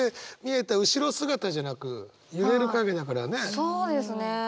そうですね！